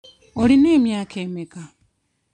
Olina emyaka emeka?